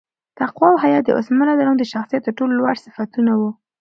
تقوا او حیا د عثمان رض د شخصیت تر ټولو لوړ صفتونه وو.